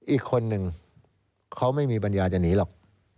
อีกคนนึงเขาไม่มีปัญญาจะหนีหรอก